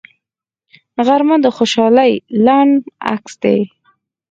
غرمه د خوشحالۍ لنډ عکس دی